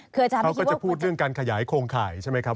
เขาก็จะพูดเรื่องการขยายโครงข่ายใช่ไหมครับ